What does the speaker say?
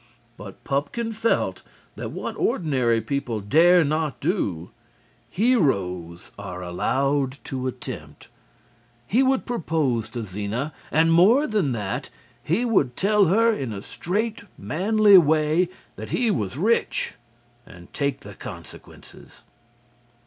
But Pupkin felt that what ordinary people dare not do, heroes are allowed to attempt. He would propose to Zena, and more than that, he would tell her in a straight, manly way that he was rich and take the consequences.